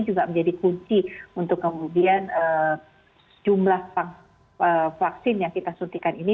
juga menjadi kunci untuk kemudian jumlah vaksin yang kita suntikan ini